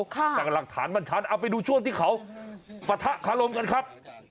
จากหลักฐานบรรทานเอาไปดูช่วงที่เขาปะทะขาโรมกันครับ